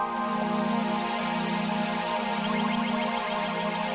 aku mau tidur